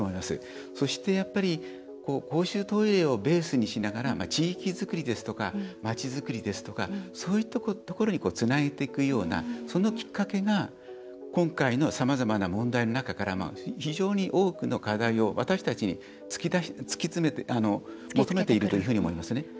そして、やっぱり公衆トイレをベースにしながら地域づくりですとかまちづくりですとかそういったところにつなげていくようなことが今回のさまざまな問題の中から非常に多くの課題を私たちに求めてくると思います。